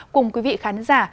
cùng quý vị khán giả